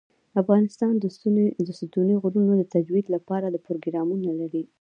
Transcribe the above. افغانستان د ستوني غرونه د ترویج لپاره پروګرامونه لري.